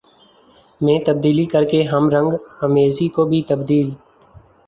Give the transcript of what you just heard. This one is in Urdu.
میں تبدیلی کر کے ہم رنگ آمیزی کو بھی تبدیل